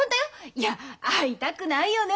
いや会いたくないよね